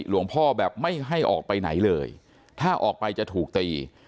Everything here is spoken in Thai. แบบไม่ให้ออกไปไหนเลยถ้าออกไปจะถูกตี